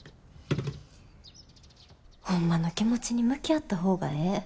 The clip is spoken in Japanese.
ホンマの気持ちに向き合った方がええ。